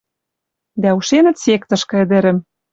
Дӓ ушенӹт сектышкы ӹдӹрӹм.